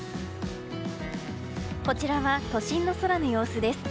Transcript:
こちらは都心の空の様子です。